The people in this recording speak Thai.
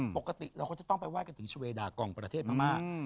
ปกติเราก็จะต้องไปไห้กันถึงชเวดากองประเทศพม่า